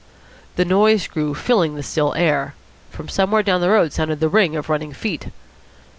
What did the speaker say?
The noise grew, filling the still air. From somewhere down the road sounded the ring of running feet.